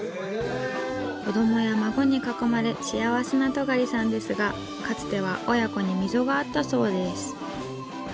子供や孫に囲まれ幸せな尖さんですがかつては親子に溝があったそうです。